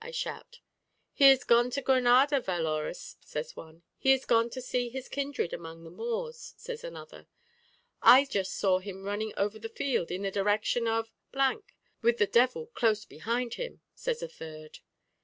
I shout. 'He is gone to Granada, valorous,' says one. 'He is gone to see his kindred among the Moors,' says another. 'I just saw him running over the field, in the direction of , with the devil close behind him,' says a third.